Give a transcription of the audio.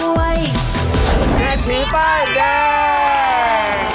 แก่ผิวป้านได้